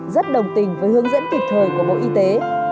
rất đồng tình với hướng dẫn kịp thời của bộ y tế